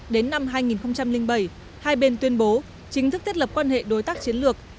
đến năm hai nghìn bảy hai bên tuyên bố chính thức thiết lập quan hệ đối tác chiến lược